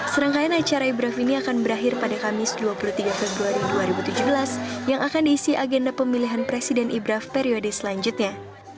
serangkaian acara ibraf ini akan berakhir pada kamis dua puluh tiga februari dua ribu tujuh belas yang akan diisi agenda pemilihan presiden ibraf periode selanjutnya